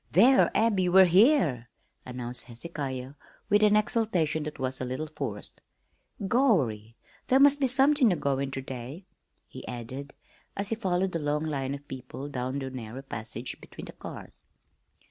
"There, Abby, we're here!" announced Hezekiah with an exultation that was a little forced. "Gorry! There must be somethin' goin' on ter day," he added, as he followed the long line of people down the narrow passage between the cars.